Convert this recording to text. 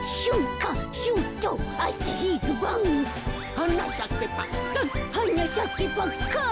「はなさけパッカン」「はなさけパッカン」